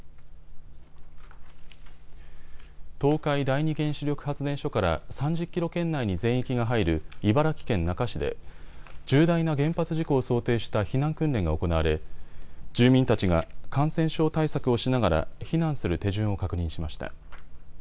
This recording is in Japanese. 東海第二原子力発電所から３０キロ圏内に全域が入る茨城県那珂市で重大な原発事故を想定した避難訓練が行われ、住民たちが感染症対策をしながら避難する手順を確認しました。